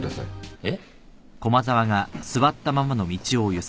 えっ？